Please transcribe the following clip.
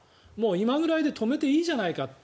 今ぐらいで止めていいじゃないかと。